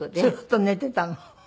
ずっと寝ていたの？